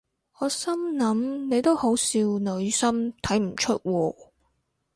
我心諗你都好少女心睇唔出喎